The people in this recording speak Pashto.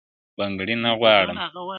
بنگړي نه غواړم